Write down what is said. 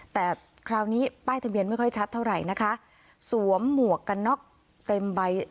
แต่คราวนี้ป้ายทะเบียนไม่ค่อยชัดเท่าไหร่นะคะสวมหมวกกันน็อกเต็มใบ